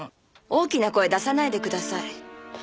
大きな声出さないでください。